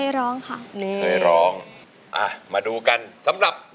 โอ้โหไปทบทวนเนื้อได้โอกาสทองเลยนานทีเดียวเป็นไงครับวาว